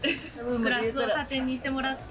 グラスを縦にしてもらって。